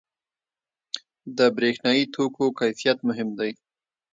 • د برېښنايي توکو کیفیت مهم دی.